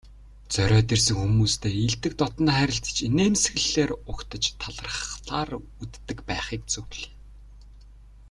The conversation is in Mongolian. Зориод ирсэн хүмүүстэй эелдэг дотно харилцаж, инээмсэглэлээр угтаж, талархлаар үддэг байхыг зөвлөе.